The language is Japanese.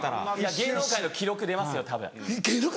芸能界の記録出ますか？